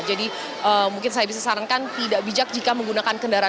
jadi mungkin saya bisa sarankan tidak bijak jika menggunakan kendaraan